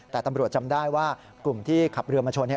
แต่ตำรวจจำได้ว่ากลุ่มที่ขับเรือมาชน